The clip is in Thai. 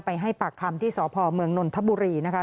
ให้ปากคำที่สพเมืองนนทบุรีนะคะ